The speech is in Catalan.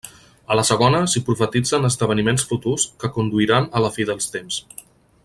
A la segona s'hi profetitzen esdeveniments futurs que conduiran a la Fi dels Temps.